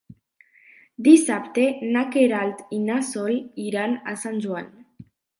Dissabte na Queralt i na Sol iran a Sant Joan.